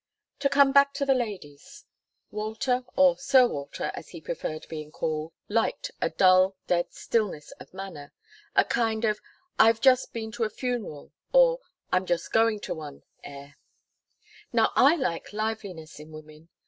To come back to the ladies. Walter or Sir Walter, as he preferred being called, liked a dull, dead stillness of manner a kind of "I've just been to a funeral," or "I'm just going to one," air. Now I like liveliness in women.